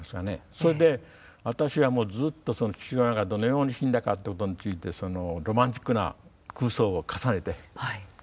それで私はもうずっと父親がどのように死んだかっていうことについてロマンチックな空想を重ねて劇的な空想をねいたんです。